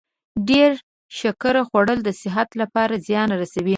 ډیر شکر خوړل د صحت لپاره زیان رسوي.